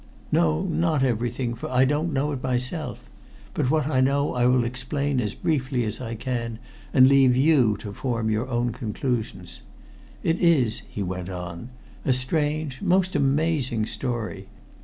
"No, not everything, for I don't know it myself. But what I know I will explain as briefly as I can, and leave you to form your own conclusions. It is," he went on, "a strange most amazing story.